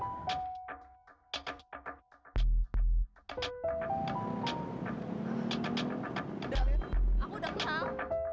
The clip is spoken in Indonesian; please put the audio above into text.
aku udah kenal